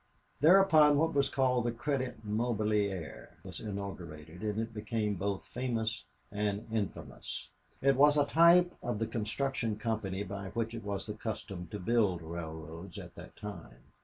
Thereupon what was called the Credit Mobilier was inaugurated, and it became both famous and infamous. It was a type of the construction company by which it was the custom to build railroads at that time.